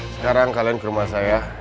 sekarang kalian ke rumah saya